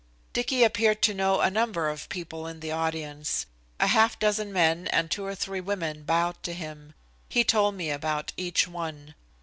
Dicky appeared to know a number of people in the audience. A half dozen men and two or three women bowed to him. He told me about each one.